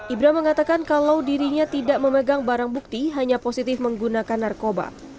ibraham mengatakan kalau dirinya tidak memegang barang bukti hanya positif menggunakan narkoba